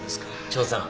張さん